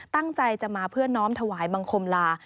ตั้งใจจะมาเพื่อน้อมถวายบังคมลา